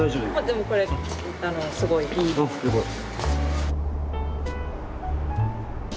でもこれすごいいい。あっよかった。